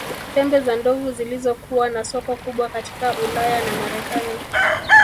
Pembe za ndovu zilizokuwa na soko kubwa katika Ulaya na Marekani